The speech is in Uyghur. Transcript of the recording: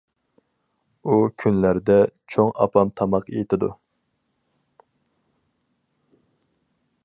ئۇ كۈنلەردە، چوڭ ئاپام تاماق ئېتىدۇ.